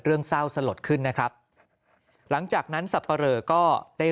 เรื่องเศร้าสลดขึ้นนะครับหลังจากนั้นสับปะเรอก็ได้